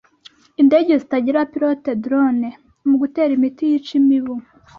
indege zitagira abapilote(drones) mu gutera imiti yica imibu